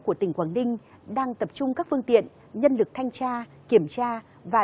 của tỉnh quảng ninh đang tập trung các phương tiện nhân lực thanh tra kiểm tra và